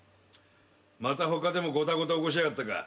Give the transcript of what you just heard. また他でもごたごた起こしやがったか。